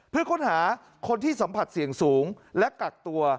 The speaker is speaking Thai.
เพื่อค้นหาคนที่สัมผัสเสี่ยงสูงและกักตัว